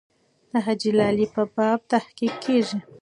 د حاجي لالي په باب تحقیق کېږي.